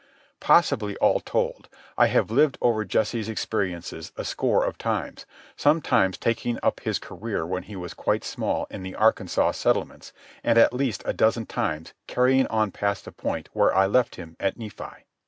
Possibly, all told, I have lived over Jesse's experiences a score of times, sometimes taking up his career when he was quite small in the Arkansas settlements, and at least a dozen times carrying on past the point where I left him at Nephi.